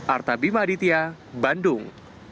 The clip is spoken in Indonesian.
artabima aditya bandung